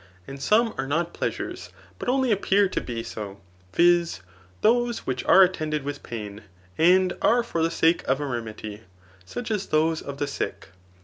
And some are not pleasures, but only appear to be so, viz, those which are attended with pain, and are fer the sake of a remedy, such as those of the ^ck*.